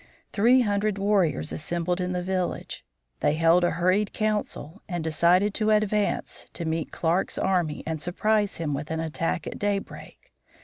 Three hundred warriors assembled in the village. They held a hurried council and decided to advance to meet Clark's army and surprise it with an attack at daybreak.